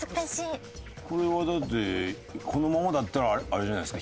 これはだってこのままだったらあれじゃないですか？